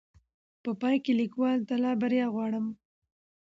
په پاى کې ليکوال ته لا بريا غواړم